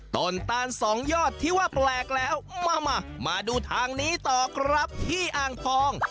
ตาลสองยอดที่ว่าแปลกแล้วมามาดูทางนี้ต่อครับที่อ่างทอง